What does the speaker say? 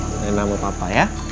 berenang sama papa ya